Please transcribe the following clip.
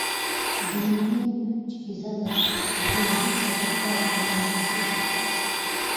ځینې وویل چې فضا ته کتل روح ته تل پاتې رڼا وربښي.